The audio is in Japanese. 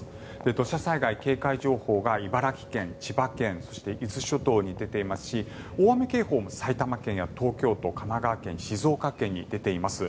土砂災害警戒情報が茨城県、千葉県そして伊豆諸島に出ていますし大雨警報も埼玉県や東京都神奈川県、静岡県に出ています。